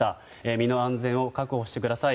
身の安全を確保してください。